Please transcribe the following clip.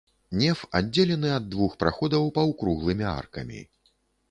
Неф аддзелены ад двух праходаў паўкруглымі аркамі.